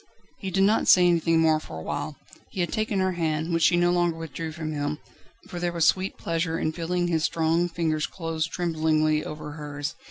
He did not say anything more for a while; he had taken her hand, which she no longer withdrew from him, for there was sweet pleasure in feeling his strong fingers close tremblingly over hers.